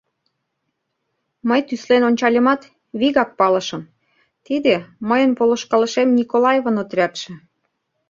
Мый тӱслен ончальымат, вигак палышым: тиде — мыйын полышкалышем Николаевын отрядше.